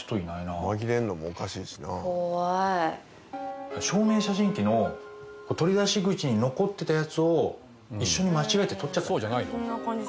怖い証明写真機の取り出し口に残ってたやつを一緒に間違えて取っちゃったんじゃない？